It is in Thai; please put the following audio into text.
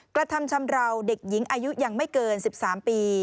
กระทำชำราวเด็กหญิงอายุยังไม่เกิน๑๓ปี